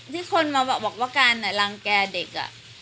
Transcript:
ที่คนมาบอกว่าการรังแก่เด็ก